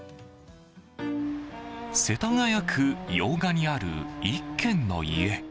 世田谷区用賀にある１軒の家。